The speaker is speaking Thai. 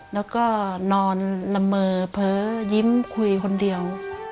แล้วก็นอนละเมอเพ้อยิ้มคุยคนเดียว